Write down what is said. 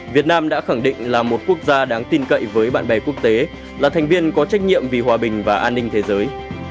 việt nam đã khẳng định là một quốc gia đáng tin cậy với bạn bè quốc tế là thành viên có trách nhiệm vì hòa bình và an ninh thế giới